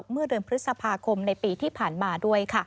เมื่อเดือนพฤษภาคมในปีที่ผ่านมาด้วย